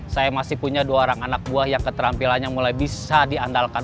saya masih punya dua orang anak buah yang keterampilannya mulai bisa diandalkan